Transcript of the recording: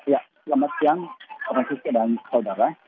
ya selamat siang pak siste dan saudara